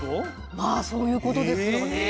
まあそういうことですよね。